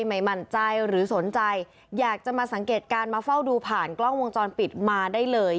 ไม่มั่นใจหรือสนใจอยากจะมาสังเกตการณ์มาเฝ้าดูผ่านกล้องวงจรปิดมาได้เลย